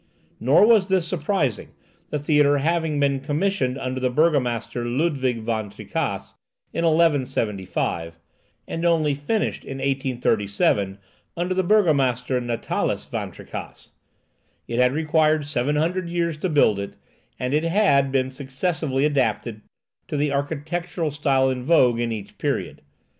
Nor was this surprising, the theatre having been commenced under the burgomaster Ludwig Van Tricasse, in 1175, and only finished in 1837, under the burgomaster Natalis Van Tricasse. It had required seven hundred years to build it, and it had, been successively adapted to the architectural style in vogue in each period.